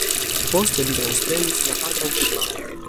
Poste li transprenis la patran firmaon.